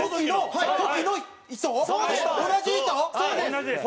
同じです。